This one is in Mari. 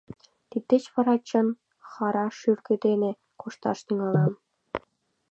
Тиддеч вара чын хӓрра шӱргӧ дене кошташ тӱҥалам!